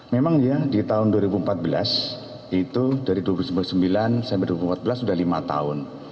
memang ya di tahun dua ribu empat belas itu dari dua ribu sembilan sampai dua ribu empat belas sudah lima tahun